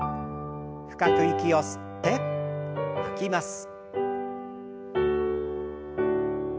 深く息を吸って吐きます。